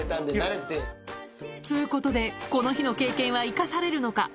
つうことでこの日の経験は生かされるのか？